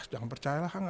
jangan percaya lah